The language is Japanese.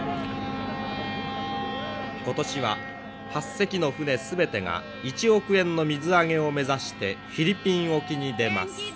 今年は８隻の船全てが１億円の水揚げを目指してフィリピン沖に出ます。